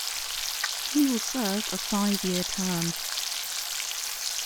He will serve a five-year term.